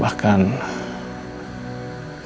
dia harus kehilangan projek besarnya itu